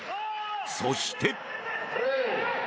そして。